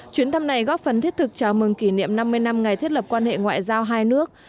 chuyến thăm này góp phần thiết thực chào mừng kỷ niệm năm mươi năm ngày thiết lập quan hệ ngoại giao hai nước